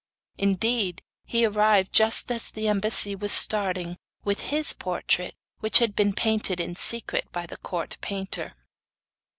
Indeed, he arrived, just as the embassy was starting, with his portrait, which had been painted in secret by the court painter.